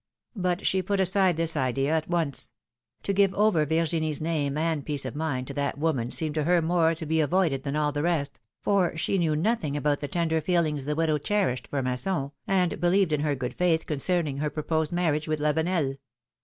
But she put aside this idea at once ; to give over Virginie's name and peace of mind to that woman seemed to her more to be avoided than all the rest, for she knew nothing about the tender feelings the widow cherished for Masson, and believed in her good faith con cerning her proposed marriage with Lavenel.